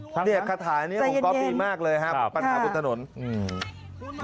ท่างนะใจเย็นครับปัญหาบนถนนเนี่ยขาถานี้ของก๊อฟดีมากเลยครับ